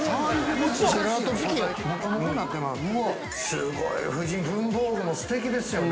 ◆すごい、夫人文房具もすてきですよね。